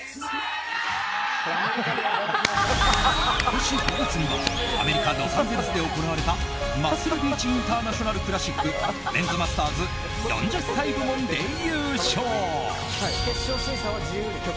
今年５月には、アメリカロサンゼルスで行われたマッスルビーチインターナショナルクラシックメンズマスターズ４０歳部門で優勝！